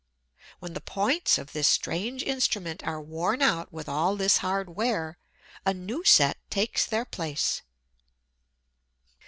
When the points of this strange instrument are worn out with all this hard wear, a new set takes their place.